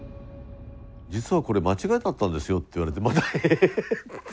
実はこれ間違いだったんですよって言われてまたえっていうまあ